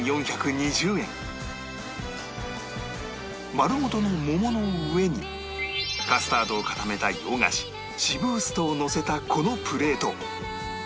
丸ごとの桃の上にカスタードを固めた洋菓子シブーストをのせたこのプレート